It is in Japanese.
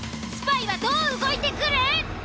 スパイはどう動いてくる？